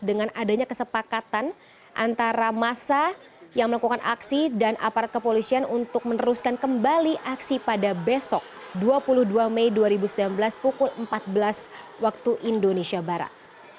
dengan adanya kesepakatan antara masa yang melakukan aksi dan aparat kepolisian untuk meneruskan kembali aksi pada besok dua puluh dua mei dua ribu sembilan belas pukul empat belas waktu indonesia barat